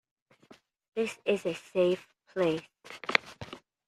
This is a safe place.